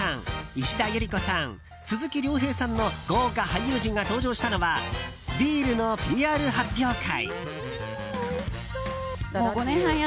石田ゆり子さん、鈴木亮平さんの豪華俳優陣が登場したのはビールのＰＲ発表会。